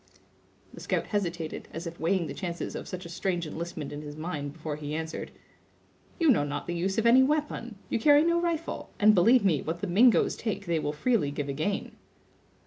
The scout hesitated, as if weighing the chances of such a strange enlistment in his mind before he answered: "You know not the use of any we'pon. You carry no rifle; and believe me, what the Mingoes take they will freely give again."